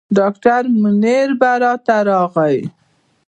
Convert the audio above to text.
ډاکټر منیربې راته راغی.